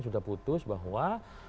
sudah putus bahwa